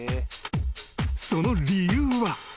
［その理由は］